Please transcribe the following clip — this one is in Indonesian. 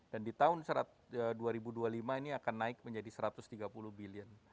dan di tahun dua ribu dua puluh lima ini akan naik menjadi satu ratus tiga puluh billion